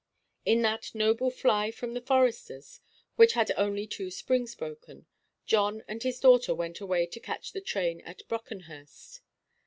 In that noble fly from the "Foresters," which had only two springs broken, John and his daughter went away to catch the train at Brockenhurst.